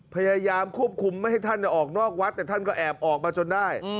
พยายามควบคุมไม่ให้ท่านออกนอกวัดแต่ท่านก็แอบออกมาจนได้